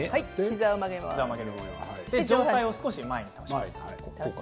上体を少し前に倒します。